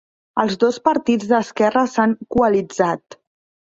Els dos partits d'esquerra s'han coalitzat.